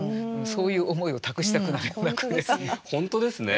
そういう思いを託したくなるような句ですね。